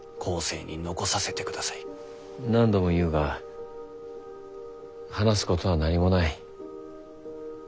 何度も言うが話すことは何もない。